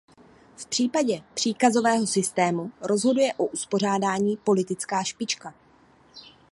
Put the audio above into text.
V případě příkazového systému rozhoduje o uspořádání politická špička.